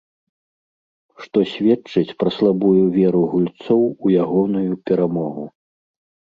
Што сведчыць пра слабую веру гульцоў у ягоную перамогу.